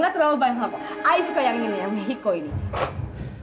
gak terlalu banyak banyak i suka yang ini yang mexico ini